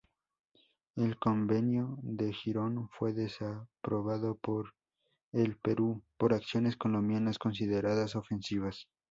El convenio de Girón fue desaprobado por el Perú por acciones colombianas consideradas ofensivas.